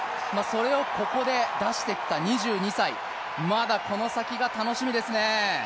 それをここで出してきた２２歳まだこの先が楽しみですね。